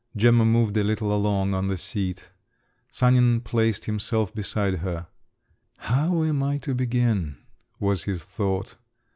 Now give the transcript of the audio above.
Gemma moved a little along on the seat. Sanin placed himself beside her. "How am I to begin?" was his thought.